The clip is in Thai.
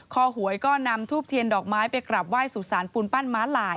หวยก็นำทูบเทียนดอกไม้ไปกลับไหว้สู่สารปูนปั้นม้าลาย